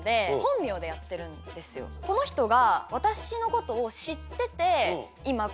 この人が。